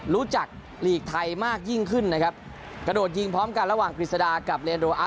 รู้จักหลีกไทยมากยิ่งขึ้นนะครับ